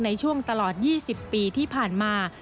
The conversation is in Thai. ในช่วงตลอด๒๐ปีที่ผ่านมา